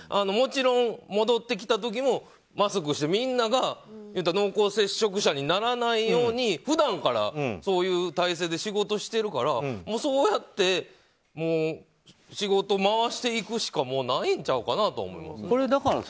もちろん戻ってきた時もマスクして、みんなが濃厚接触者にならないように普段からそういう体制で仕事をしているからそうやって仕事回していくしかもうないんちゃうかなと思います。